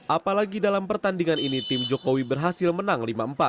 apalagi dalam pertandingan ini tim jokowi berhasil menang lima empat